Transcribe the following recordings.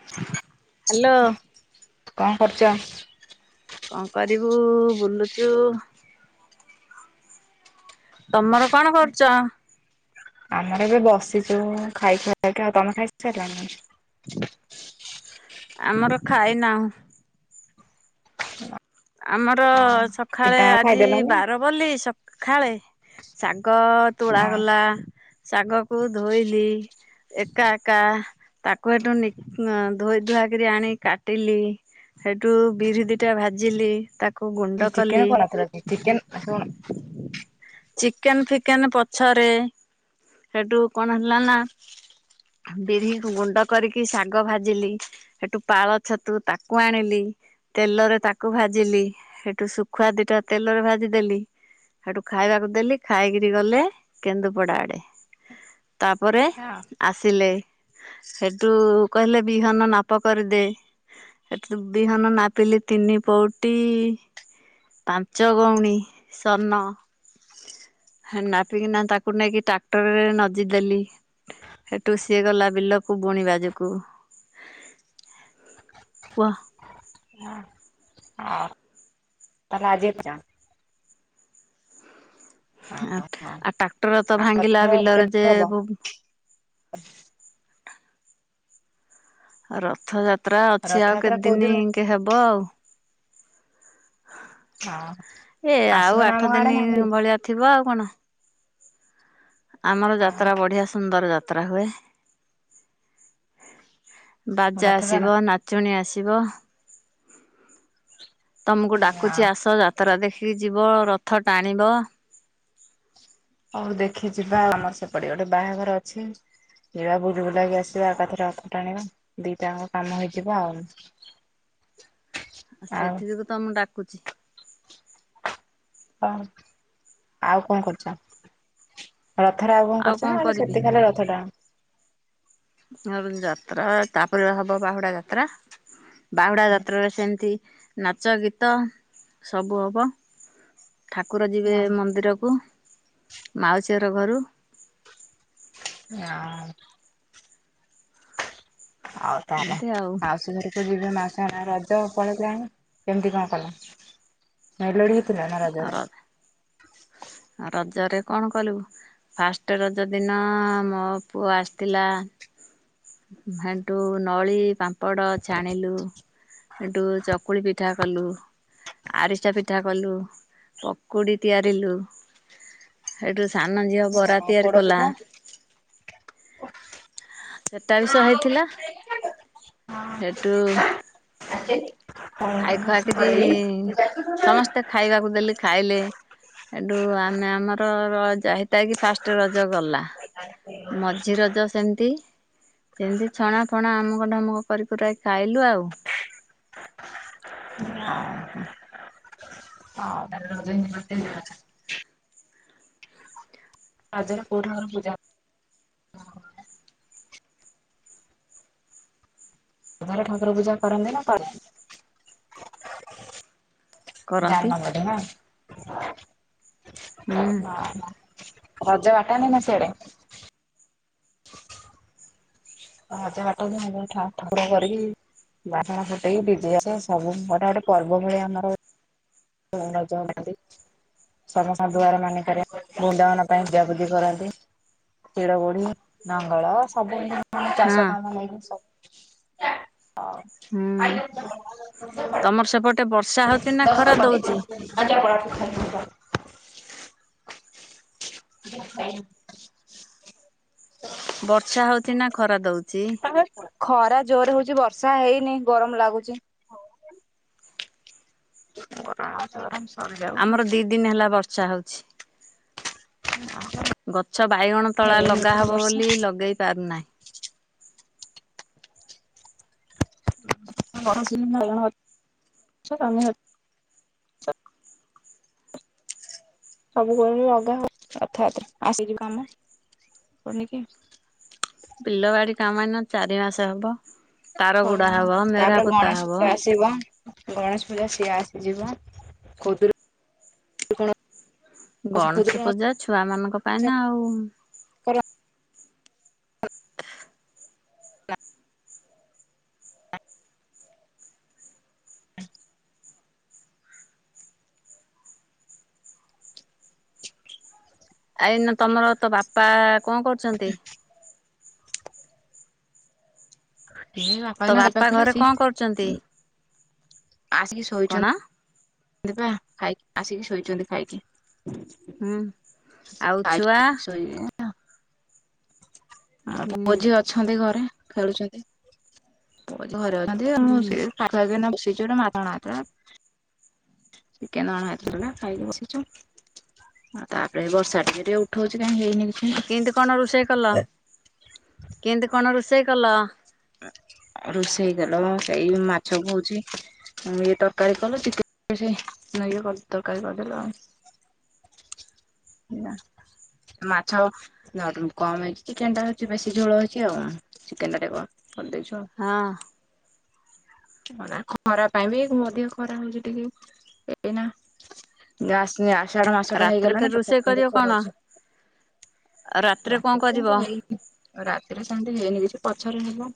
Hello କଣ କରୁଚ? କଣ କରିବୁ ବୁଲୁଛୁ। ତମର କଣ କରୁଚ। ଆମର ଏବେ ବସିଛୁ ଖାଇ ଖୁଆକ ଆଉ ତମେ ଖାଇ ସାରିଲାନି। ଆମର ଖାଇନାହୁ। ହଁ ଆମର ସକାଳେ ଆଜି ଖାଇଦେଲନି ବାର ବୋଲି ସକାଳେ ଶାଗ ତୋଳା ହଁ। ଗଲା। ଶାଗକୁ ଧୋଇଲି। ଏକା ଏକା ତାକୁ ଏଠୁ ଧୋଇ ଧୁଆକ ଆଣିକି କାଟିଲି। ସେଇଠୁ ବିରି ଦିଟା ଭାଜିଲି ତାକୁ ଏ ଗୁଣ୍ଡ ଚିକେନ କଲି। କରିନଥିଲ କି ଚିକେନ ଶୁଣ ଚିକେନ ଫିକେନ ପଛରେ। ସେଠୁ କଣ ହେଲା ନା ବିରି ଗୁଣ୍ଡ କରିକି ଶାଗ ଭାଜିଲି। ସେଠୁ ପାଳ ଛତୁ ତାକୁ ଆଣିଲି। ତେଲରେ ତାକୁ ଭାଜିଲି ସେଠୁ ଶୁଖୁଆ ଦିଟା ତେଲରେ ଭାଜିଦେଲି। ସେଠୁ ଖାଇବାକୁ ଦେଲି ଖାଇକିରି ଗଲେ କେନ୍ଦୁପଡ଼ା ଆଡ଼େ ତାପରେ ଆସିଲେ ସେଠୁ କହିଲେ ବିହନ ନାପ କରିଦେ। ସେଠ ବିହନ ନାପିଲି ତିନି ପଉଟି ପାଞ୍ଚ ଗଉଣୀ ସନ ଖାନାପିନା ତାକୁ ନେଇକି ଟ୍ରାକ୍ଟରରେ ନଦି ଦେଲି ସେଠୁ ସିଏ ଗଲା ବିଲକୁ ବୁଣିବାଜକୁ। କୁହ ହଁ ତା ଆ ଯେ ଚା [inaudible] ଆ ଆ ଟ୍ରାକ୍ଟର ତ ଭାଙ୍ଗିଲା ରଥଯାତ୍ରା ବିଲରେ କେବେ ଯେ ହବ ରଥଯାତ୍ରା ଅଛି ଆଉ ରଥଯାତ୍ରା କୋଉ କେତେଦିନ ଦିନ ହବ। ବ ଆଉ ହଁ ଏ ଆସିବ ଆଉ ନା ଆମ ଆଠ ଆଡେ ନା ଦିନ ଆମେ ଯିବୁ? ଭଳିଆ ଥିବ ଆଉ କଣ ଆମର ଯାତ୍ରା ହଁ ବଢିଆ ସୁନ୍ଦର ଯାତ୍ରା ହୁଏ। ବାଜା ରଥଟଣା ଆସିବ ନାଚୁଣୀ ଆସିବ। ତମକୁ ଡାକୁଛି ଆସ ଯାତ୍ରା ଦେଖିକି ଯିବ ରଥ ଟାଣିବ। ଆଉ ଦେଖି ଯିବା ଆମର ସେପଟେ ଗୋଟେ ବାହାଘର ଅଛି। ଯିବା ବୁଲ ବୁଲାାଗି ଆସିବା ଆ ଏକାଥରେ ରଥ ଟାଣିବା ଦିଟାଙ୍କ କାମ ହେଇଯିବ ଆଉ ଆଉ ସେଥି ଯୋଗୁ ତ ମୁଁ ଡାକୁଛି ହଁ ଆଉ କଣ କରୁଛ? ରଥରେ ଆଉ କଣ କରୁଛ ନାେ ସେତିକ ଖାଲି ରଥ ଟାଣୁଚ। ଯାତ୍ରା ତାପରେ ହବ ବାହୁଡା ଯାତ୍ରା। ବାହୁଡ଼ା ଯାତ୍ରାରେ ସେମିତି ନାଚ ଗୀତ ସବୁ ହବ। ଠାକୁର ଯିବେ ମନ୍ଦିରକୁ ମାଉସୀହର ଘରୁ। [unintelligible] ଆଉ ତାହେଲେ ଆଉ [unintelligible] [unintelligible] ରଜ ପଳେଇଲାଣି କେମିତି କଣ କଲେ? ମେଲୋଡି ହେଇଥିଲା ନା ରଜରେ? ର ରଜରେ କଣ କରିବୁ। ଫାଷ୍ଟେ ରଜ ଦିନ ମୋ ପୁଅ ଆସିଥିଲା ହେଟୁ ନଳି, ପାମ୍ପଡ ଛାଣିଲୁ। ହେଟୁ ଚକୁଳି ପିଠା କଲୁ। ଆରିସା ପିଠା କଲୁ ପକୁଡି ତିଆରିଲୁ। ହେଟୁ ସାନ ଝିଅ ବରା ତିଆରି କଲା। ଅ ସେଟା ବି ସହ ହେଇଥିଲା ହେଟୁ [inaudible] ଖାଇ ଖୁଆକିରି ସମସ୍ତେ ଖାଇବାକୁ ଦେଲି। ଖାଇଲେ ହେଟୁ ଆମେ ଆମର ର- [unintelligible] ତାଇକି ଫାଷ୍ଟେ ରଜ ଗଲା ମଝି ରଜ ସେମିତି ସେମିତି ଛଣା ଫଣା ଅମକ ଢମକ କରି କୁରାକି ଖାଇଲୁ ଆଉ। [unintelligible] ରଜରେ କଉ ଠାକୁର ପୂଜା ରଜରେ ଠାକୁର ପୂଜା କରନ୍ତି ନା କରନ୍ତିନି? କରନ୍ତି ଜାଣିନଥିଲୁ ହୁଁ ନା। ରଜ [unintelligible] ନା ସିଆଡେ? [unintelligible] ବାଣ ଫୁଟେଇକି ଡିଜେ ଆସେ ସବୁ ଗୋଟେ ଗୋଟେ ପର୍ବ ଭଳିଆ ଆମର [unintelligible] ସମସ୍ତଙ୍କ ଦୁଆର ମାନିଙ୍କରେ ବୃନ୍ଦାବନ ପାଇଁ ପୂଜାପୁଜି କରନ୍ତି। ଶିଡ ଗୁଡି ନଙ୍ଗଳ ସବୁ ଏମତି ହଁ ଚାଷ କାମ [unintelligible] ହୁଁ [inaudible] ଟେ ବର୍ଷା ହଉଚି ନା ଖରା ଦଉଚି? [inaudible] ହ ହ ବର୍ଷା ହଉଚି ନା ଖରା ଦଉଚି? ଖରା ଜୋର୍ ହଉଚି ବର୍ଷା ହେଇନି ଗରମ୍ ଲାଗୁଚି। [inaudible] ଆମର ଦି ଦିନ୍ ହେଲା ବର୍ଷା ହଉଚି। ହ ଗଛ ବାଇଗଣ ତଳା ଲଗା ହବ ବୋଲି ଲଗେଇ ପାରୁନାହିଁ। [inaudible] ସବୁବଳେ ଅଗା ହବ ରଥଯାତ୍ରା ଆସିଯିବ କାମ [unintelligible] ବିଲବାଡି କାମ ଏଇନା ଚାରି ମାସେ ହବ। ତାର ହଁ ଗୁଡା -ହଁ ହବ ମେଢା ତାପରେ ପୋତା ଗଣେଶ ହବ ପୂଜା ଆସିବ। ଗଣେଶ ପୂଜା ସିଏ ଆସିଯିବ ଖୁଦୁରୁ ଓଷା ଗଣେଶ ଖୁଦୁରୁକୁଣୀ ପୂଜା ଛୁଆ ମାନଙ୍କ ପାଇଁ ଓଷା ନା ଆଉ। କର ଆ- ଏଇନା ତମର ତ ବାପା କଣ କରୁଚନ୍ତି? ଏ ବାପା ତୋ ନା ଘରେ [unintelligible] ସେ କଣ କରୁଛନ୍ତି? ଆସିକି ଶୋ କଣ? ଦେବା ଖାଇକି ଆସିକି ଶୋଇଚନ୍ତି ଖାଇକି। ହୁଁ ଆଉ ଛୁଆ ଖାଇକି ଶୋଇଲେଣି। ଆ ହୁଁ ପୁଅ ଝିଅ ଅଛନ୍ତି ଘରେ ଖେଳୁଚନ୍ତି। ହୁଁ [unintelligible] ଚିକନ୍ ଅଣହେଇଥିଲା ନା ଖାଇକି ବସିଚୁ। ଆଉ ତାପରେ ବର୍ଷା ଟିକେ ଟିକ ଉଠଉଚି କାହିଁ ହେଇନି କିଛି ନି କେମିତି କଣ ରୋଷେଇ କଲ କେମିତି କଣ ରୋଷେଇ କଲ? ରୋଷେଇ ହେଇଗଲ ମ ସେଇ ମାଛକୁ ହଉଚି ଇଏ ତରକାରୀ କଲ ଚିକେନ ସେଏ ନେଇ ତରକାରୀ କରିଦେଲ ଆଉ। [inaudible] ନା। ମାଛ ନା କମ ହେଇଚି ଚିକେନ ଟା ହଉଚି ବେଶୀ ଝୋଳ ହେଇଚି ଆଉ ଚିକେନ ଟା ଟିକେ କମ କରଦେଇଚୁ ଆଉ। ହଁ। ହଁ ନା ଖରା ପାଇଁ ବି ମଧ୍ୟ ଖରା ହଉଚି ଟିକେ ଏଇନା ଯା ଆସ ଆଷାଢ ମାସଟା ରାତିରେ ଫେର ହେଇଗଲାଣି ତଥାପି ରୋଷେଇ କିନ୍ତୁ କରିବ କଣ ଖରା ହୋଉଚି। ଆଉ ରାତିରେ କଣ କରିବ? ରାତିରେ ସେମିତି ହେଇନି କିଛି ପଛରେ ହେବ।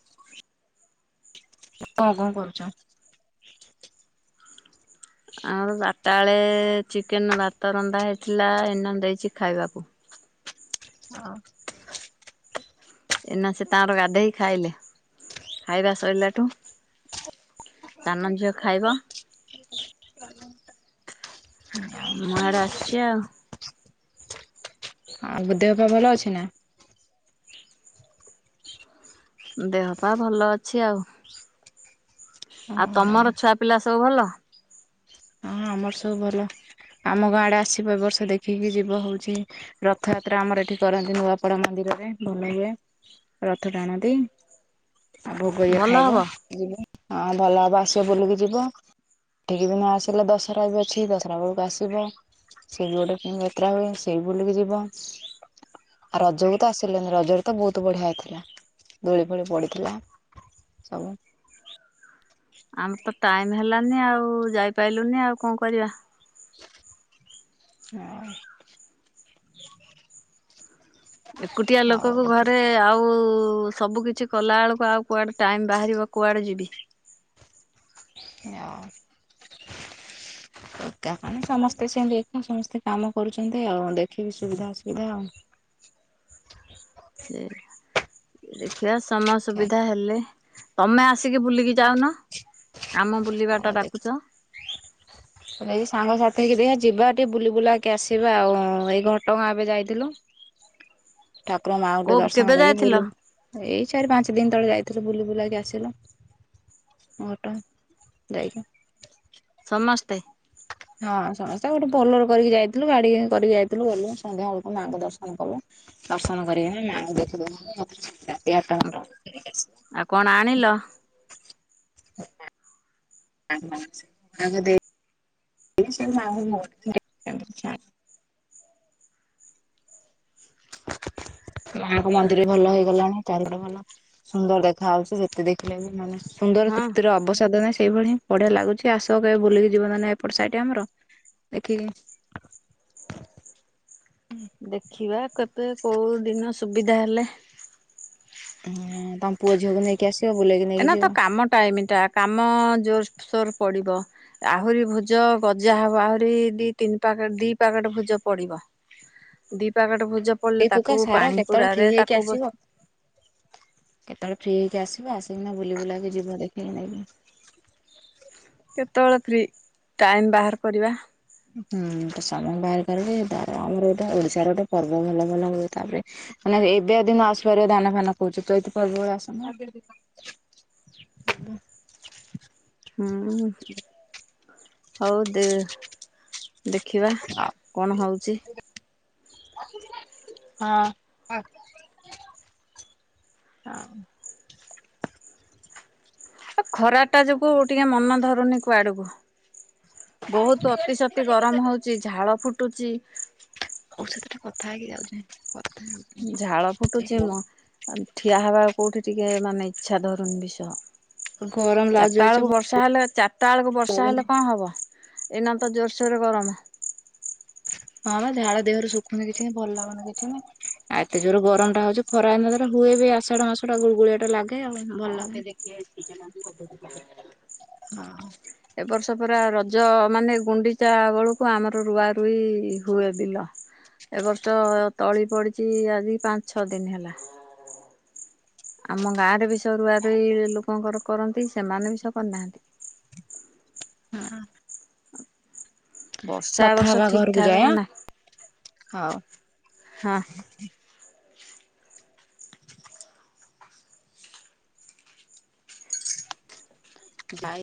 ତ ଆଉ କଣ କରୁଚ? ଆମର ବଟା ବେଳେ ଚିକେନ ଭାତ ରନ୍ଧା ହେଇଥିଲା ଏଇନାମ ଦେଇଚି ଖାଇବାକୁ। ହଁ। ଏନା ସେ ତାଙ୍କର ଗାଧୋଇି ଖାଇଲେ ଖାଇବା ସରିଲାଠୁ [inaudible] ସାନ ଝିଅ ହଁ। ଖାଇବ ମୁଁ ଆଡ଼େ ଆସିଛି ଆଉ ଆଉ ଦେହ ପା ଭଲ ଅଛି ନା? ଦେହପା ଭଲ ଅଛି ଆଉ। ଆଉ ଓହୋ। ତମର ଛୁଆ ପିଲା ସବୁ ଭଲ? ହଁ ଆମର ସବୁ ଭଲ ଆମ ଗାଁ ଆଡେ ଆସିବ ଏ ବର୍ଷ ଦେଖିକି ଯିବ ହଉଚି ରଥଯାତ୍ରା ଆମର ଏଠି କରନ୍ତି ନୂଆପଡା ମନ୍ଦିରରେ ଭଲ ହୁଏ। ରଥ ଟାଣନ୍ତି ଆଉ ଭୋଗ ଯିଏ ଭଲ ଖାଇବ। ହବ ଯିବ ହଁ ଭଲ ହବ ଆସିବ ବୁଲିକି ଯିବ ଏଠିକି ବି ନ ଆସ ହେଲେ ଦଶରା ବି ଅଛି ଦଶରା ବେଳକୁ ଆସିବ। ସେଇ ବି ଗୋଟେ କେ ଯାତ୍ରା ହୁଏ ସେଇ ବୁଲିକି ଯିବ। ଆ ରଜକୁ ତ ଆସିଲେନି ରଜରେ ତ ବହୁତ ବଢିଆ ହେଇଥିଲା ଦୋଳି ଫୋଳି ପଡିଥିଲା। ସବୁ ଆମ ତ ଟାଇମ୍ ହେଲାନି ଆଉ ଯାଇପାରିଲୁନି ଆଉ କଣ କରିବା। ହଁ ଏକୁଟିଆ ଲୋକକୁ ଘରେ ଆଉ ସବୁ କିିଛି କଲାବେଳକୁ ଆଉ କୁଆଡ଼େ ଟାଇମ୍ ବାହାରିବ କୁଆଡ଼େ ଯିବି। ଆଉ ହ [inaudible] ଏକା କଣ ସମସ୍ତେ ସେମିତି ଏକା ସମସ୍ତେ କାମ କରୁଛନ୍ତି ଆଉ ଦେଖିବି ସୁବିଧା ଅସୁବିଧା ଆଉ। ସେ ଦେଖିବା ସମୟ ସୁବିଧା ହେଲେ ତମେ ଆସିକି ବୁଲିକି ଯାଉନ। ଆମ ବୁଲିବା ଟା ହଁ ଦେଖି ଡାକୁଚ। ଏଇ ସାଙ୍ଗସାଥି ହେଇକି ଦେଖିବା ଯିବା ଟିକେ ବୁଲି ବୁଲାକି ଆସିବା ଆଉ ଏଇ ଘଟଗାଁ ଏବେ ଯାଇଥିଲୁ। ଠାକୁର ମାଆଙ୍କୁ ଟିକେ କୋଉ ଦର୍ଶନ କେବେ କରି ଯାଇଥିଲ ବୁଲି ଏଇ ଚାରି ପାଞ୍ଚ ଦିନ ତଳେ ଯାଇଥିଲୁ ବୁଲି ବୁଲାକି ଆସିଲୁ। ଘଟଗାଁ ଯାଇ ଥିଲୁ। ସମସ୍ତେ। ହଁ ସମସ୍ତେ ଗୋଟେ ବୋଲର କରିକି ଯାଇଥିଲୁ ଗାଡି କରିକି ଯାଇଥିଲୁ ଗଲୁ ସନ୍ଧ୍ୟା ବେଳକୁ ମାଆଙ୍କୁ ଦର୍ଶନ କଲୁ। ଦର୍ଶନ କରିକିନି ମାଙ୍କୁ ଦେଖି ଦେଇକି ରାତି ଆଠ ଟା ନଅ ଟା ବେଳକୁ ଆସି ଆଉ କଣ ଆଣିଲ। ହ ହ [unintelligible] ଏଇ ସେଇ ତାଙ୍କ ଭୋଗ ଟିକେ ସେମିତି କିଛି ଆଣିବୁ। ମାଙ୍କ ମନ୍ଦିରେ ଭଲ ହେଇଗଲାଣି ଚାରି ପଟେ ଭଲ। ସୁନ୍ଦର ଦେଖା ଯାଉଛି ଯେତେ ଦେଖିଲେ ବି ମନ ସୁନ୍ଦର ହଁ। ତୃପ୍ତିର ଅବସାଦ ନାହିଁ ସେଇଭଳି। ବଢ଼ିଆ ଲାଗୁଛି ଆସ କେବେ ବୁଲିକି ଯିବ ନଏଲେ ନାଇଁ ଏପଟ ସାଇଟି ଆମର ଦେଖିକି ଯିବ। ଦେଖିବା କେବେ କୋଉ ଦିନ ସୁବିଧା ହେଲେ। ହୁଁ ତମ ପୁଅ ଝିଅକୁ ନେଇକି ଆସିବ ବୁଲେଇକି ନେଇକି ଏନା ତ ଯିବ। କାମ ଟାଇମ ଟା କାମ ଜୋରସୋର ପଡିବ। ଆହୁରି ଭୁଜ ଗଜା ହବ ଆହୁରି ଦି ତିନି ପକେଟ ଦି ପକେଟ ଭୁଜ ପଡିବ। ଦି ପ୍ୟାକେଟ ଭୁଜ। ପଡିଲେ ଏଇ ତାକୁ ଫୁକା ସାର ପାଣି କେତେବେଳେ ଫ୍ରି ପୁରାରେ ହେଇକି ତାକୁ ବସି ଆସିବ। କେତେବେଳେ ଫ୍ରି ହେଇକି ଆସିବ ଆସିକିନା ବୁଲି ବୁଲାକି ଯିବ ଦେଖିକି ନେଇକି। କେତେବେଳେ ଫ୍ରି ଟାଇମ୍ ବାହାର କରିବା। ହୁଁ ତ ସମୟ ବାହାର କରିକି ତାର ଆମର ଗୋଟେ ଓଡିଶାର ଗୋଟେ ପର୍ବ ଭଲ ଭଲ ହୁଏ ତାପରେ। ମାନେ ଏବେ ଯଦି ନ ଆସିପାରିବ ଧାନ ଫାନ କହୁଛ ଚଇତ ପର୍ବ ବେଳେ ଆସୁନ। ହୁଁ ହଉ ଦେ ଦେଖିବା କଣ ହଉଛି। ହଁ। ହ ଉ। ହଁ। ଏ ଖରା ଟା ଯୋଗୁ ଟିକେ ମନ ଧରୁନି କୁଆଡୁକୁ। ବହୁତୁ ଅତି ସତି ଗରମ ଔଷଧଟା ହଉଛି ଝାଳ ଫୁଟୁଛି। [unintelligible] ଝାଳ ଫୁଟୁଛି ମୋ ଆ ଠିଆ ହବାକୁ କୋଉଠି ଟିକେ ମାନେ ଇଛା ଧରୁନି ବିଷ। ହଉ ଗରମ ଚାରିଟା ଲାଗୁଛି ଜୋରସେ ବେଳକୁ ଭଲ ବର୍ଷା ହେଲେ ଚାରିଟା ବେଳକୁ ବର୍ଷା ଲାଗୁନି ହେଲେ କଁ ହବ। ଏଇନା ତ ଜୋରସୋର ରେ ଗରମ। ହଁ ମ ଝାଳ ଦେହରୁ ଶଖୁନି କିଛି ଭଲ ଲାଗୁନି କିଛି। ଆଉ ଏତେ ଜୋର ଗରମ ଟା ହଉଛି ଖରା ନଦେଲେ ହୁଏ ବି ଆସାଢ ମାସ ଟା ଗୁଳ ଗୁଳିଆ ଟା ଲାଗେ ଆଉ ଭଲ ଲାଗେନି। ହଁ। ଏବ ବର୍ଷ ପରା ରଜ ମାନେ ଗୁଣ୍ଡିଚା ବେଳକୁ ଆମର ରୁଆ ରୁଇ ହୁଏ ବିଲ। ଏବ ବର୍ଷ ତଳି ପଡିଛି ଆଜିକି ପାଞ୍ଚ ଛଅ ଦିନ ହେଲା। ଆମ ଗାଁରେ ବି ସ ରୁଆ ରୁଇ ଲୋକଙ୍କର କରନ୍ତି, ସେମାନେ ବି ସ କରିନାହାନ୍ତି। ହୁଁ। ବର୍ଷା ଏ କଥା ବର୍ଷ ହବା ଠିକ ଘରକୁ ଯାଏ ଠାକରେ ଆଁ ନାହିଁ ହଉ। ହଁ। ଯାଇ